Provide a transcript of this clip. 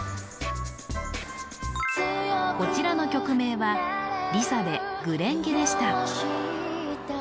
こちらの曲名はＬｉＳＡで「紅蓮華」でした